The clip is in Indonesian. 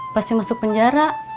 pasti masuk penjara